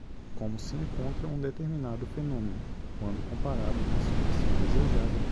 como se encontra um determinado fenômeno, quando comparado com a situação desejada